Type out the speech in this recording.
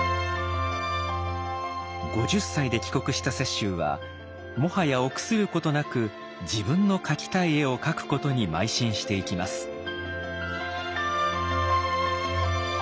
５０歳で帰国した雪舟はもはや臆することなく自分の描きたい絵を描くことにまい進していきます。